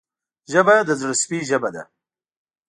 ژبه د زړه سوي ژبه ده